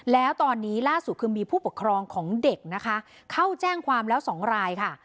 แล้วตอนนี้ล่าสุดคือมีผู้ปกครองของเด็กนะคะเข้าแจ้งความแล้วสองรายค่ะ